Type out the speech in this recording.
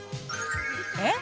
えっ？